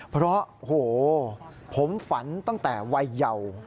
เพราะโหผมฝันตั้งแต่วัยเยาว